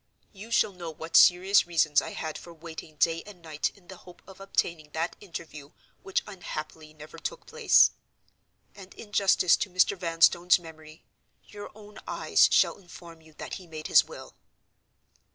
You shall know what serious reasons I had for waiting day and night in the hope of obtaining that interview which unhappily never took place; and in justice to Mr. Vanstone's memory, your own eyes shall inform you that he made his will."